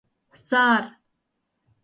— Сар!